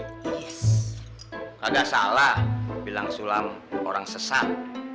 kagak salah bilang sulam orang sesat